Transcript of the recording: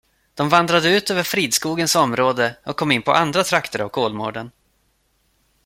De vandrade ut över Fridskogens område och in på andra trakter av Kolmården.